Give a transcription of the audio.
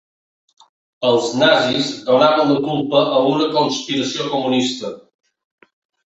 Els nazis donaven la culpa a una conspiració comunista.